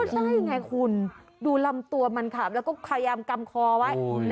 ใช่ไงคุณดูลำตัวมันขาบแล้วก็พยายามกำคอไว้